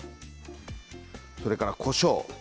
それからこしょう。